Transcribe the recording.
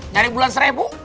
nyari bulan seribu